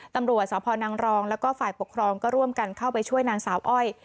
ตำรวจสพนังรองแล้วก็ฝ่ายปกครองก็ร่วมกันเข้าไปช่วยนางสาวอ้อย